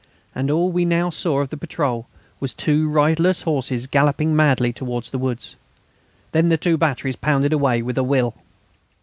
And all we now saw of the patrol was two riderless horses galloping madly towards the woods. Then the two batteries pounded away with a will.